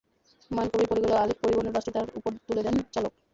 হুমায়ুন কবির পড়ে গেলে আলিফ পরিবহনের বাসটি তাঁর ওপর তুলে দেন চালক।